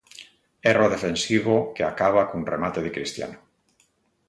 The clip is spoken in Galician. Erro defensivo que acaba cun remate de Cristiano.